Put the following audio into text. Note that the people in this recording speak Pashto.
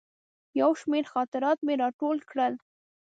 یو شمېر خاطرات مې راټول کړل.